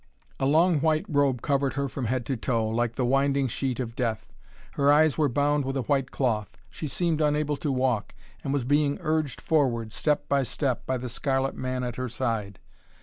A long white robe covered her from head to toe, like the winding sheet of death. Her eyes were bound with a white cloth. She seemed unable to walk, and was being urged forward, step by step, by the scarlet man at her side.